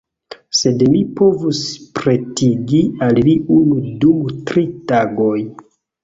Sed mi povus pretigi al vi unu dum tri tagoj.